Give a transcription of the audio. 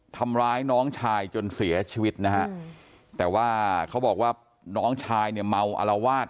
ทำร้ายน้องชายจนเสียชีวิตนะฮะแต่ว่าเขาบอกว่าน้องชายเนี่ยเมาอลวาด